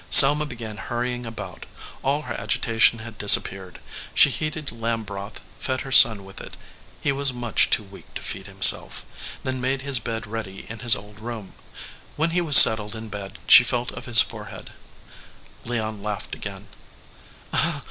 Selma began hurrying about. All her agitation had disappeared. She heated lamb broth, fed her son with it he was much too weak to feed him self then made his bed ready in his old room. When he was settled in bed she felt of his fore head. Leon laughed again.